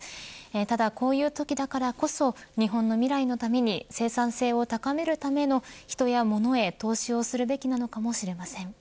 ただ、こういうときだからこそ日本の未来のために生産性を高めるための人やものへ投資をするべきなのかもしれません。